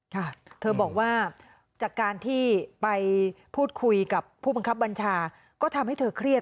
ค่ะเธอบอกว่าจากการที่ไปพูดคุยกับผู้บังคับบัญชาก็ทำให้เธอเครียด